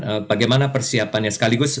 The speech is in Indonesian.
pada bagaimana persiapannya sekaligus